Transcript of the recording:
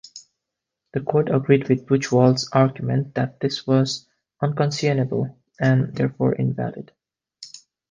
The court agreed with Buchwald's argument that this was "unconscionable" and therefore invalid.